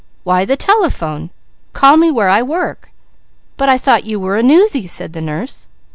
Why the telephone! Call me where I work!" "But I thought you were a 'newsy!'" said the nurse.